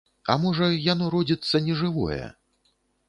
А можа, яно родзіцца нежывое?